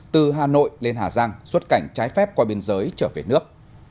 từ hà nội lên hà giang xuất cảnh trái phép qua biên giới trở về nước